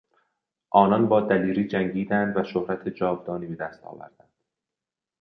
آنان با دلیری جنگیدند و شهرت جاودانی به دست آوردند.